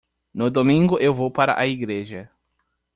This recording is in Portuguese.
No Domingo eu vou para a Igreja.